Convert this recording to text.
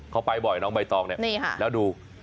เขาไปบ่อยน้องใบตองเนี่ยแล้วดู